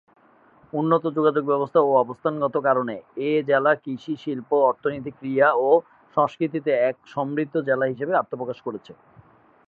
উন্নত যোগাযোগ ব্যবস্থা ও অবস্থানগত কারণে এ জেলা কৃষি, শিল্প, অর্থনীতি, ক্রীড়া ও সংস্কৃতিতে এক সমৃদ্ধ জেলা হিসাবে আত্মপ্রকাশ করেছে।